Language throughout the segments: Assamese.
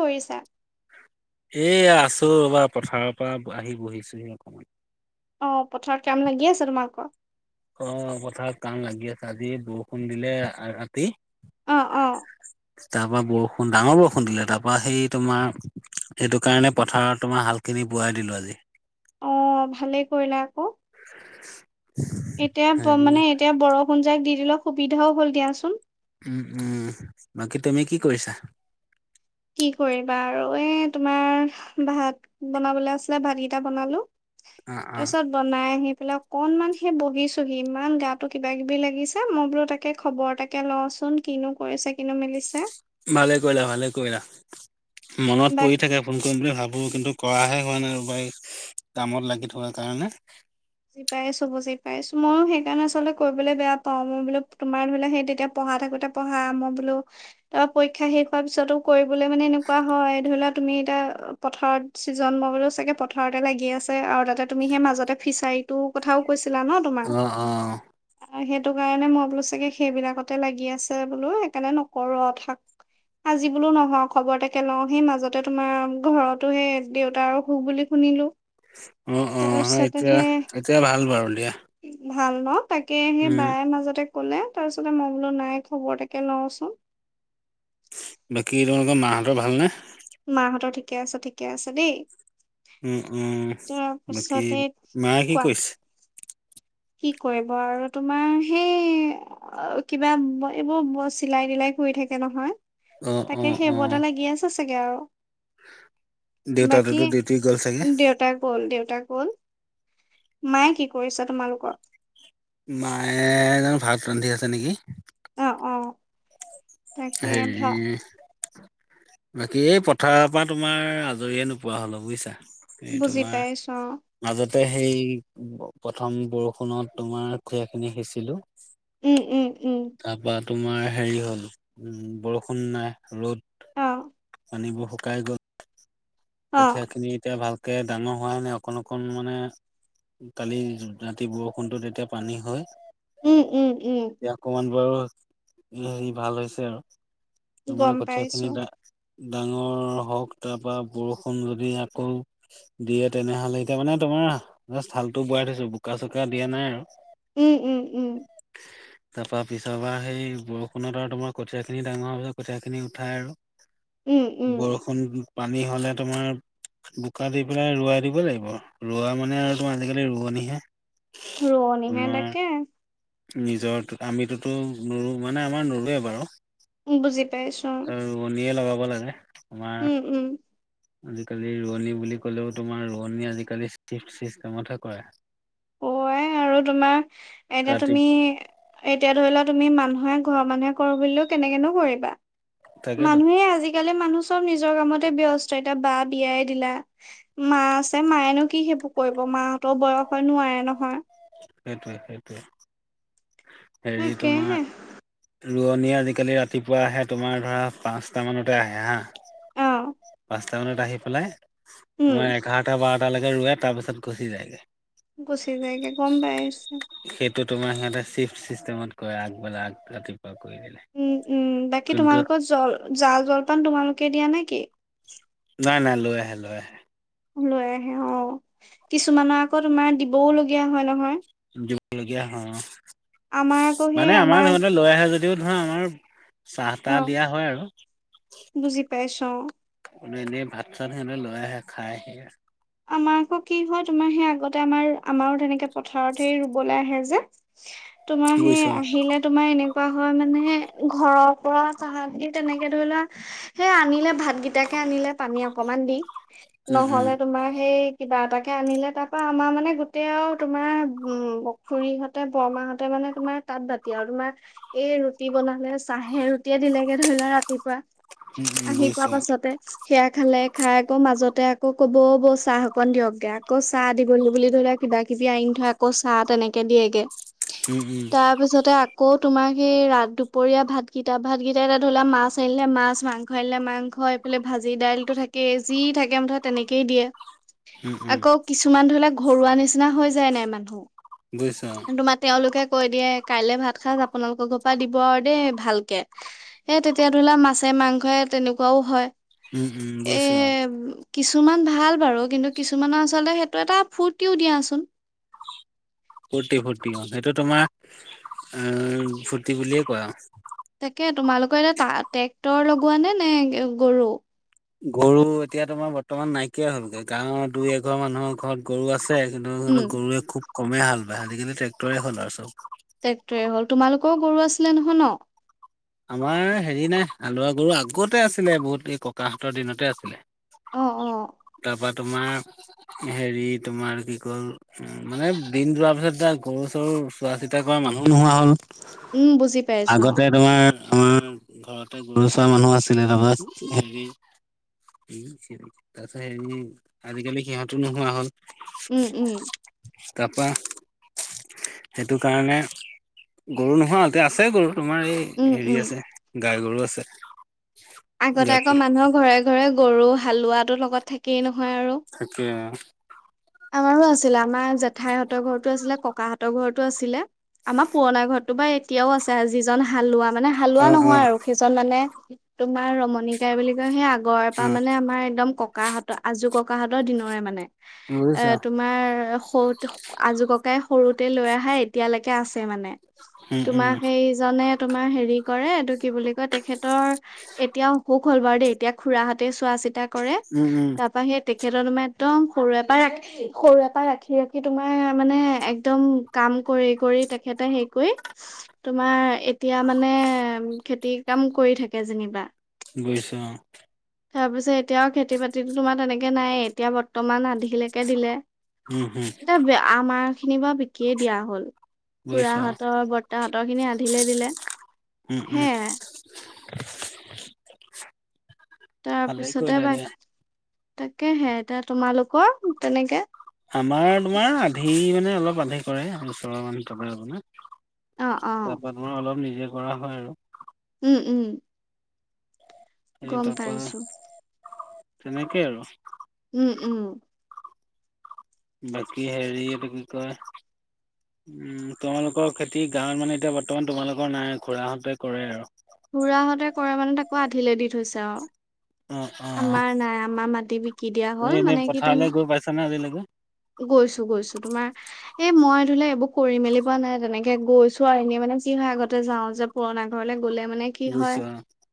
কৰিছা? এই আছো ৰবা পথাৰৰ পৰা আহি বহিছোহি অকণমান। অ' পথাৰত কাম লাগি আছে তোমালোকৰ? অ' পথাৰত কাম লাগি আছে আজি বৰষুণ দিলে ৰাতি অ', অ', তাৰ পৰা বৰষুণ ডাঙৰ বৰষুণ দিলে, তাৰ পৰা সেই তোমাৰ সেইটো কাৰণে পথাৰত তোমাৰ হাল খিনি বোৱাই দিলো আজি। অ' ভালেই কৰিলা আকৌ এতিয়া হেৰি মানে এতিয়া বৰষুণ যাক দি দিলে সুবিধাও হল দিয়াচোন। উম-উম বাকী তুমি কি কৰিছা? কি কৰিবা আৰু এ তোমাৰ ভাত বনাবলৈ আছিলে ভাতকেইটা বনালো। অ', অ'। তাৰ পিছত বনাই আহি পলে অকনমান সেই বহিছোহি ইমান গা কিবা কিবি লাগিছে মই বোলো তাকে খবৰ তাকে লওঁ। চোন কিনো কৰিছে কিনো মিলিছে। ভালে কৰিলা, ভালে কৰিলা মনত বাকী পৰি থাকে ফোন কৰিম বুলি ভাবো কিন্তু কৰাহে কৰাহে হোৱা নাই ৰবা কামত লাগি থকা কাৰণে। বুজি পাইছো, বুজি পাইছো ময়ো সেইকাৰণে আচলতে কৰিবলৈ বেয়া পাওঁ, মই বোলো তোমাৰ ধৰিলেও সেই তেতিয়া পঢ়া থাকোতে পঢ়া মই বোলো তাৰ পৰীক্ষা শেষ হোৱাৰ পিছতো কৰিবলে মানে এনেকুৱা হয় ধৰি লোৱা তুমি এতিয়া পথাৰত ছিজনমবও চাগে পথাৰতে লাগি আছে আৰু তাতে তুমি সেই মাজতে ফিচাৰী তোৰ কথাও কৈছে অহ-অহ অ'। সেইটো কাৰণে মই বোলো চাগে সেইবিলাকতে লাগি আছে বোলো সেইকাৰণে নকৰো আৰু থাক আজি বোলো নহও খবৰ তাকে লওঁ সেই মাজতে তোমাৰ ঘৰতো সেই দেউতাৰ অসুখ বুলি শুনিলোঁ। অ', তাৰ অ', হয় এতিয়া পিছতেহে এতিয়া ভাল বাৰু দিয়া। ভাল ন তাকেহে সেই উম, বায়ে মাজতে ক'লে তাৰপিছতে মই বোলো নাই খবৰ এটাকে লওঁচোন। বাকী তোমালোকৰ মাহতৰ ভালনে? মাহঁতৰ ঠিকে আছে ঠিকে আছে দেই। উম-উম তাৰ বাকী, পিছতে মায়ে কি কোৱা কৰিছে? কি কৰিব আৰু তোমাৰ সেই কিবা এইবোৰ চিলাই দিলাই কৰি থ থাকে নহয় অ', তাকে অ', অ', সেইবোৰটে লাগি আছে চাগে আৰু বাকী দেউতাটোতো ডিউটি গ'ল চাগে? দেউতা গ'ল দেউতাক গ'ল মায়ে কি কৰিছা তোমালোকৰ? মায়ে ভাত ৰান্ধি আছে নেকি। অ', -অ', তাকে ভা সেই, বাকী এই পথাৰৰ পৰা তোমাৰ আজৰিয়ে নোপোৱা হলোঁ বুজিছা। সেইটোৱে বুজি তোমাৰ পাইছো অ মাজত তাকে সেই প্ৰথম বৰষুণত তোমাৰ কঠীয়া খিনি সিঁচিলো। উম-উম-উম, তাৰপা তোমাৰ হেৰি হ'ল উম বৰষুণ নাই ৰ'দ অ', পানীবোৰ শুকাই গ'ল। অ কঠীয়া খিনি এতিয়া ভালকে ডাঙৰ হোৱ নাই অকণ অকণ মানে কালি ৰাতি বৰষুণটোত এতিয়া পানী হয়, উম-উম-উম, বাৰ হেৰি ভাল হৈছে আৰু তোমাৰ গম কঠীয়া পাইছো খিনিত ডাঙৰ হওক তাৰপা বৰষুণ যদি আকৌ দিয়ে তেনেহলে এতিয়া মানে তোমাৰ হালতো বোৱাই থৈছো বোকা বোকা চোক দিয়া নাই আৰু উম-উম-উম, তাৰপা পিছৰ বাৰ সেই বৰষুণত আৰু তোমাৰ কঠীয়া খিনি ডাঙৰ হয় কঠীয়া খিনি উঠাই আৰু উম, উম, বৰষুণ পানী হ'লে তোমাৰ বোকা দি পেলাই ৰোৱাই দিব লাগিব ৰোৱা মানে আৰু তোমাৰ আজিকালি ৰোৱনিহে ৰোৱনিহে তাকে নিজৰ আমিতোতো নোৰোবে মানে আমাৰ নোৰোৱে বাৰু বুজি পাইছোঁ। ক'ব লাগে আমাৰ আজিকালি ৰোৱনী বুলি ক'লেও তোমাৰ ৰোৱনীয়ে আজিকালি চিফট চিষ্টেমতহে কৰে। অ', আই আৰু তোমাৰ এতিয়া ৰাতি তুমি এতিয়া ধৰি লোৱা তুমি মানুহে ঘৰৰ মানুহে কৰো বুলিলেও কেনেকে কৰিবা, তাকেতো মানুহে আজিকালি মানুহ চব নিজৰ কামতে ব্যস্ত এতিয়া বা বিয়াই দিলা মা আছে মায়েনো কি সেইবোৰ কৰিব। মাহতৰ বয়স হয় নোৱাৰে নহয়। সেইটোৱে-সেইটোৱে হেৰি তাকেহে তোমাৰ ৰোৱনী আজিকালি ৰাতিপুৱা আহে তোমাৰ ধৰা পাঁচটামানতে আহে হাঁ অ', পাঁচটা মানত আহি পেলাই উম, তোমাৰ এঘাৰটা বাৰটালৈকে ৰোৱে তাৰপিছত গুচি যায়গে। গুচি যায়গে গম [unintelligible] সেইটো তোমাৰ সিহঁতে চিফট চিষ্টেমত কৰে আগবেলা আগ ৰাতিপুৱা কৰি দিলে উম-উম বাকী কিন্তু তোমালোকৰ জল জা জলপান তোমালোকে দিয়া নেকি? নাই-নাই লৈ আহে লৈ আহে। লৈ আহে অ কিছুমানৰ আকৌ তোমাৰ দিবও লগগীয়া হয় নহয় দিব লগগীয়া হ আমাৰ আকৌ সেই মানে আমাৰ সহতে লৈ আহে যদি ও ধৰা আমাৰ চাহ তাহ অ দিয়া হয় আৰু বুজি পাইছো অ মানে এনে ভাত চাত সিহঁ লৈ আহে খাই আহে আমাৰ আকৌ কি হয় তোমাৰ সেই আগতে আমাৰ আমাৰো তেনেকে পথাৰত হে ৰুবলৈ আহে যে। তোমাৰ বুজিছ সেই আহিলে তোমাৰ এনেক। কোৱা হয় মানে ঘৰৰ পৰা চাহান দি তেনেকে ধৰি লোৱা সেই আনিলে ভাত গেইটাকে। আনিলে পানী অকণমান দি উম উম এই কিবা এটা কেে আনিলে তাৰ পৰাা আমাৰ মানে গোটেই আৰু তোমাৰ উম পখুৰীহঁতে বৰমা। মাহতে মানে তোমাৰ তাঁাত বাতি আৰু তোমাৰ এই ৰুটি বনালে চাহে ৰুটিয়ে দিলেগে ধৰি লোৱা ৰাতিপুৱা। উম উম আহি বুজিছ পোৱা পাছতে সেয়া খালে খাই আকৌ মাজতে আকৌ। ক'ব বৌ চাহ অকন দিয়কগে আকৌ চাহ দিবলৈ বুলি ধৰি লোৱা কিবা কিবি আ থৈ আকৌ চাহ তেনেকে দিয়েগে। উম উম তাৰপিছতে আকৌ। তোমাক সেই ৰা দুপৰীয়া ভাতকেইটা ভাতকেইটা এটা ধৰিলা মাছ আনিলে মাছ মাংস আনিলে মাংস হয়। ফলে ভাজি দাইলতটো থাকে যি থাকে মুঠাত। তেনেকেই দিয়ে উম উম আকৌ কিছুমান ধৰি লওক ঘৰুৱা নিচিনা হৈ যায় নাই মানুহ বুজিছ কি তোমাৰ তেওঁলোকে কৈ দিয়ে কাইলে ভাত সাজ আপোনালোকৰ ঘ পৰা দিব আৰু দেই ভালকে এ তেতিয়া ধৰি লোৱা মাছে। মাংস তেনেকুৱাও হয় উম উম এ বৈছো কিছুমান ভাল বাৰু কিন্তু কিছুমানৰ আচলতে সেইটো এটা ফূুৰ্তিও দিয়াচোন। ফূৰ্তি ফূৰ্তি অ' সেইটো তোমাৰ উ ফূুৰ্তি বুলিয়ে কয় আৰু তাকে তোমালোকৰ এতিয়া ট্ৰেক্টৰ লগোৱা নে নে গৰু। গৰু এতিয়া তোমাৰ বৰ্তমান নাইকিয়া হ'লগৈ গাঁৱৰ দুই এঘৰ মানুহৰ ঘৰত গৰু আছিল। এ জোনটো উম জোনটো গৰুৱে খুব কমেই হাল বায় আজিকালি ট্ৰেক্টৰে হ'ল আৰু চব। ট্ৰেক্টৰে হ'ল। তোমালোকৰ গৰু আছিলে নহয় ন? আমাৰ হেৰি নাই। হালোৱা গৰু আগতে আছিলে বহুত এই ককাহঁতৰ দিনতে আছিলে। অ, অ। তাৰপা তোমাৰ হেৰি তোমাৰ কি ক'ল, উ মানে দিন যোৱাৰ পিছত এ গৰু চৰু চোৱা চিতা কৰা মানুহ নোহোৱা হ'ল। উম, বুজি পাইছো। আগতে তোমাৰ আমাৰ ঘৰতে গৰুচৰা মানুহ আছিলে। তাৰপা হেৰি তাৰ পিছত হেৰি আজিকালি সিহঁতো নোহোৱা হ'ল। উম, উম। তাৰপা সেইটো কাৰণে গৰু নহয়, এতিয়া আছে গৰু তোমাৰ এই উম হেৰি উম। আছে, গাই গৰু আছে। আগতে আকৌ গাখীৰ মানুহৰ ঘৰে ঘৰে গৰু হালোৱাটো লগত থাকেই ন। থাকে। আমাৰো আছিলে। আমাৰ জেঠাইহঁতৰ ঘৰতো আছিলে। ককাহঁতৰ ঘৰতো আছিলে। আমাৰ পুৰণা ঘৰত তোমাৰ এতিয়াও আছে। যিজন হালোৱা মানে, অ হালোৱা অ নহয় আৰু সেইজন মানে তোমাৰ ৰমনীকাই বুলি কয় সেই আগৰ অ পৰা মানে, আমাৰ একদম ক ককাহঁতৰ আজো ককাহঁতৰ দিনৰে মানে। এ বুজিছা তোমাৰ সৰুতে আজু ককাই সৰুতে লৈ অহায়, এতিয়ালৈকে আছে মানে। উম উম তোমাক সেইজনে তোমাৰ হেৰি কৰে, এইটো কি বুলি কয় তেখেতৰ এতিয়া অসুখ হ'ল বাৰু দেই এতিয়া খুৰাহঁতে চোৱা চিতা কৰে। উম উম তাৰপা সেই তেখেতৰ তোমাৰ একদম সৰুৰে পৰা ৰাখি সৰুৰে পৰা ৰাখি, ৰাখি তোমাৰ মানে একদম কাম কৰি, কৰি তেখেত ত হে কৰি, তোমাৰ এতিয়া মানে খেতি কাম কৰি থাকে যেনিবা। বুজিছো অ। তাৰ পিছত, এতিয়াও খেতি বাতিতো তোমাৰ তেনেকে নাই। এতিয়া বৰ্তমান আধিলৈকে দিলে। উম হুম এতিয়া বি আমাৰ খিনি বা বি কি দিয়া হ'ল। বুজিছো অ খুৰাহঁতৰ বৰ্তাহঁতৰ খিনি আধিলে দিলে। উম, উম। সেয়াই তাৰ ভালেই পিছতে কৰিলা বা দিয়া। তাকেহে এতিয়া তোমালোকৰ তেনেকে আমাৰ তোমাৰ আধি মানে, অলপ আধি কৰে। ওচৰৰ মানুহ পাই আপোনাৰ অ', অ', তাৰপা বাৰু অলপ নিজে কৰা হয় আৰু। উ, উম। এই গম তাৰপা পাইছো। তেনেকেই আৰু। উম, উম। বাকী হেৰি এইটো কি বুলি কয়। উম, তোমালোকৰ খেতি গাঁৱত মানে, এতিয়া বৰ্তমান তোমালোকৰ নাই। খুৰাহঁতে কৰে আৰু। খুৰাহঁতে কৰে মানে, তাকো আধিলে দি থৈছে, অ। অ', অ'। আমাৰ নাই। আমাৰ মাটি বিকি দিয়া তুমি হ'ল। এনেই মানে কি পথাৰলৈ তোমাৰ গৈ পাইছা নে আজিলৈকে? গৈছো, গৈছো তোমাৰ। এ মই ধৰি লোৱা এইবোৰ কৰি মেলি পোৱা নাই তেনেকে গৈছো, আৰু এনেই মানে যি হয় আগতে যাওঁ যে পুৰণা ঘৰলৈ। গ'লে মানে কি হয়, বুজিছোঁ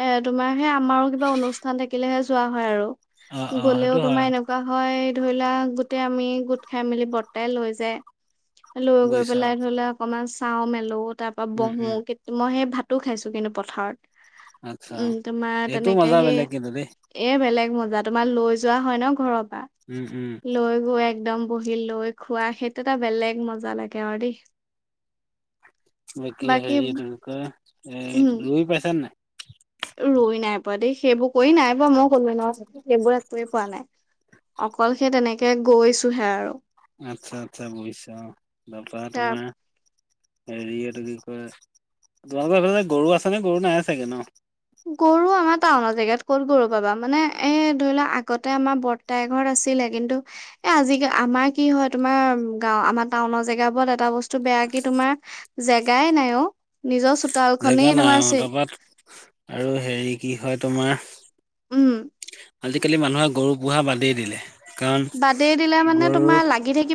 এ তোমাৰ সেই আমাৰো কিবা অনুষ্ঠান থাকিলেহে যোৱা হয় আৰু। অ', অ', অ', গ'লেও সেইটো তোমাৰ হয় এনেকুৱা হয় ধৰি লোৱা। গোটেই আমি গোট খাই মেলি বৰ্তাই লৈ যায়। লৈ গৈ বুজিছোঁ পেলাই অ', ধৰি ললে অকনমান চাও মেলো, তাৰ পৰা উম, বহো উম, মই সেই ভাতো খাইছো। কিন্তু পথাৰত। আচ্ছা। উম, তোমাৰ এইটো তেনেকে মজা সেই, বেলেগ কিন্তু দেই এ বেলেগ হ'ল। জা তোমাৰ লৈ যোৱা হয় ন ঘৰত। উম, উম। একদম বহি লৈ খোৱা সেইটো এটা বেলেগ মজা লাগে। আৰু দেই! বাকি বাকী হেৰি উম ৰুই পাইচা নাই? ৰুই নাই পোৱা দেই, সেইবোৰ কৰি নাই পোৱা। মই ক'লো এ ন সেইবোৰ একো পোৱা নাই। অকল সে তেনেকে গৈছোহে আৰু আচ্ছা, আচ্ছা, হৈছে অ' বা তাৰ তোমাৰ হেৰি এইটো কি কয়! তোমালোকৰ সেইফালে গৰু আছে নে? গৰু নাই চাগে ন! গৰু আমাৰ টাউনৰ জেগাত ক'ত গৰু পাবা। মানে এই ধৰি লোৱাক আগতে আমাৰ বৰ্তাই ঘৰত আছে। ছিলে কিন্তু, এ আজিাল আমাৰ কি হয় তোমাৰ গা আমাৰ টাউনৰ জেগা বোৰত এটা বস্তু বেয়া বাকী তোমাৰ দেখা নাই অ'। চোতাল জেগা খনেই তোমাৰ নাই চে অতপাত আৰু হেৰি কি হয় তোমাৰ উম'। আজিকালি মানুহে গৰু পুহা বাদেই দিলে। কাৰণ বাদেই দিলে মানে গৰু তোমাৰ লাগি থাকি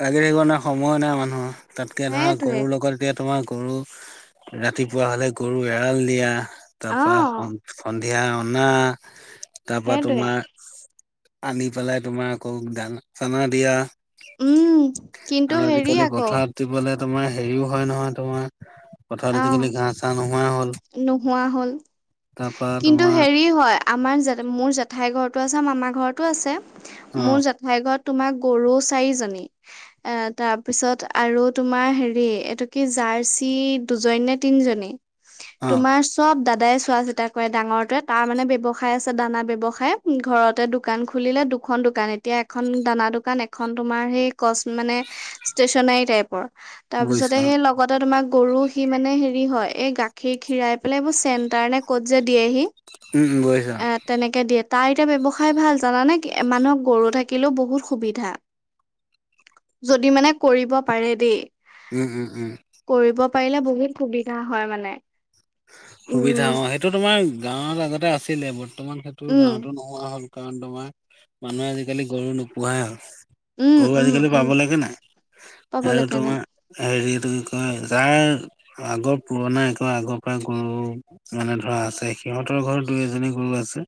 লাগি থাকিব নোৱাৰে সময় নাই মানুহৰ, তাতকে ধৰা সেইটোৱে গৰুৰ লগত এতিয়া তোমাৰ গৰু ৰাতিপুৱা হলে গৰু এৰাল দিয়া তাৰপৰা অ', সন সন ধিয়া অনা তাৰপৰা সেইটোৱে তোমাৰ আনি পেলাই তোমাৰ আকৌ দানা চানা দিয়া। উম, কিন্তু আৰু হেৰি আজিকালি আকৌ পথাৰত দিবলে তোমাৰ হেৰিও হয় নহয় তোমাৰ পথাৰত অ', আজিকালি ঘাঁহ চাঁহ নোহোৱা হ'ল। নোহোৱা হ'ল তাৰপা কিন্তু তোমাৰ হেৰি হয় আমাৰ জ মোৰ জেঠাই ঘৰত টো আছে মামাৰ ঘৰতো আছে। অ মোৰ জেঠাইৰ ঘৰত তোমাৰ গৰু চাৰিজনী, এ তাৰপিছত আৰু তোমাৰ হেৰি এইটো কি জা জাচী দুজনী নে তিনি জনী, অ তুমাৰ চব দাদাই চোৱা চিতা কৰে ডাঙৰ তে তাৰ মানে ব্যয়ৱসায় আছে। দানা ব্যৱসায় ঘৰতে দোকান খুলিলে দুখন দোকান এতিয়া এখন দানা দোকান এখন তোমাৰ সেই কচ মানে ষ্টেচনাৰী টাইপৰ। তাৰ পিছতে বুজিছা সেই লগতে তোমাৰ গৰু সি মানে হেৰি হয় এই গাখীৰ খীৰাই পেলাই এইবোৰ চেণ্টাৰ নে ক'ত যে দিয়েহি। উম বৈছা। এ তেনেকে দিয়ে তাৰ এতিয়া ব্যৱসায় ভাল জানানে মানুহক গৰু থাকিলেও বহুত সুবিধা। যদি মানে কৰিব পাৰে দেই উম, উম, উম। কৰিব পাৰিলে বহুত সুবিধা হয় মানে। সুবিধা উম অ সেইটো তোমাৰ গাঁৱত আগতে আছিলে। বৰ্তমান সেইটো উম গাঁৱতো নোহোৱা হল। কাৰণ তোমাৰ মানুহে আজিকালি গৰু নোপোহাই হ'ল। উম গৰু উম আজিকালি উম পাব লাকে নাই আৰু পাবলৈকে নাই তোমাৰ হেৰিত কি কয়, যাৰ আগৰ পুৰণা এক আগৰ পৰা গৰু মানে ধৰা আছে, সিহঁতৰ ঘৰত দুই এজনী গুৰু আছে।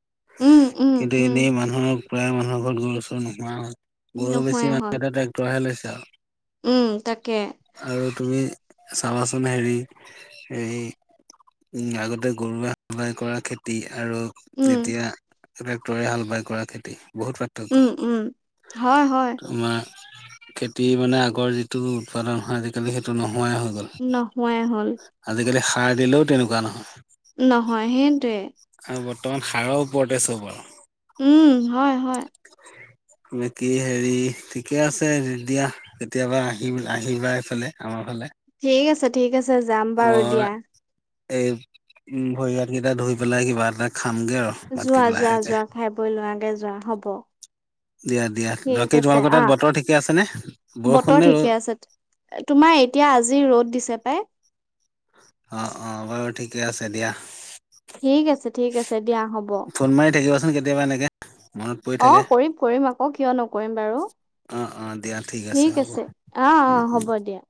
উম, উম, কিন্তু উম, এনেই মানুহৰ প্ৰায় মানুহৰ ঘৰত গৰু চৰ নোহোৱা হয়। গৰু বেছি নোহোৱাই হ'ল। মানুহ এ ট্ৰেক্টৰহে লৈছে। আৰু উম, তাকে। আৰু তুমি চাবাচোন হেৰি এই আগতে গৰুৱে সৱায় কৰা খেতি আৰু উম, এতিয়া ট্ৰেক্টৰে হাল বাই কৰা খেতি বহুত পাৰ্থক্য উম, উম। হয়, হয়, তোমাৰ খেতি মানে আগৰ যিটো উৎপাদন হয় আজিকালি সেইটো নহয়। সময়ে হৈ গ'ল নোহোৱাই হ'ল। আজিকালি সাৰ দিলেও তেনেকুৱা নহয়। নহয় সেইটোৱে। আৰু বৰ্তমান সাৰৰ ওপৰতে চব আৰু উম, হয়, হয়। বাকী হেৰি ঠিকে আছে দি কেতিয়াবা আহি আহিবা এইফালে আমাৰ ফালে। ঠিক আছে, ঠিক আছে যাম বাৰু মই দিয়া। এই উম ভৰিয়াত কেইটা ধুই পেলাই কিবা এটা খামগে আৰু যোৱা ভাতকেইটা যোৱা লাহেকে যোৱা খাই বৈ লোৱাগে যোৱা হ'ব দিয়া দিয়া ঠিক বাকী আছে, তোমালোকৰ তাত আহ, বতৰ ঠিকে আছেনে বতৰ বৰষুণ নে ঠিকে ৰ'দ আছে। তোমাৰ এতিয়া আজি ৰ'দ দিছে পাই অ', অ', বাৰু ঠিকে আছে দিয়া ঠিক আছে ঠিক আছে দিয়া হ'ব ফোন মাৰি থাকিবাচোন কেতিয়াবা এনেকে মনত পৰি অ থাকে। কৰিম কৰিম আকৌ কিয় নকৰিম বাৰু অ', অ', দিয়া ঠিক হ'ব। আছে আহ উম। অ হ'ব দিয়া